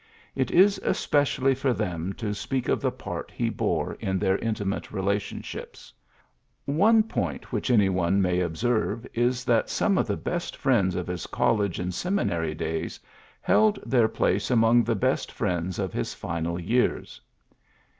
It is especially for them to speak of the part he bore in their inti mate relationships. One point which any one may observe is that some of the best friends of his college and seminary days held their place among the best friends of his final years.